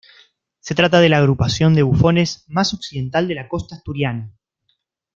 Se trata de la agrupación de bufones más occidental de la costa asturiana.